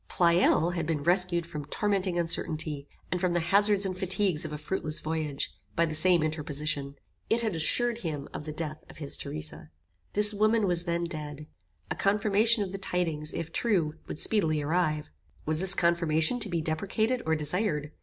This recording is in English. Pleyel had been rescued from tormenting uncertainty, and from the hazards and fatigues of a fruitless voyage, by the same interposition. It had assured him of the death of his Theresa. This woman was then dead. A confirmation of the tidings, if true, would speedily arrive. Was this confirmation to be deprecated or desired?